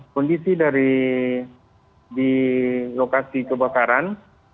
kondisi dari di lokasi kebakaran